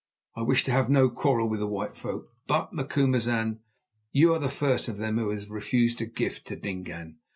I wish to have no quarrel with the white folk, but, Macumazahn, you are the first of them who has refused a gift to Dingaan.